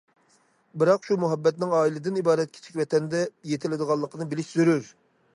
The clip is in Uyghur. بىراق شۇ مۇھەببەتنىڭ ئائىلىدىن ئىبارەت كىچىك ۋەتەندە يېتىلىدىغانلىقىنى بىلىش زۆرۈر.